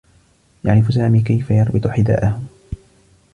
يعرف سامي كيف يربط حذاءه.